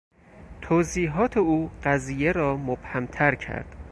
توضیحات او قضیه را مبهمتر کرد.